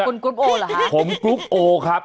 คุณกรุ๊ปโอเหรอฮะผมกรุ๊ปโอครับ